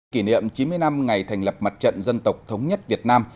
kỷ niệm chín mươi năm ngày thành lập mặt trận dân tộc thống nhất việt nam